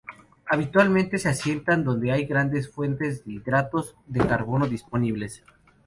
Habitualmente se asientan donde hay grandes fuentes de hidratos de carbono disponibles.